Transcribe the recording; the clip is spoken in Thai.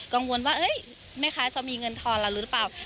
กังวลว่าแม่ค้าจะมีเงินทอนเราหรือเปล่า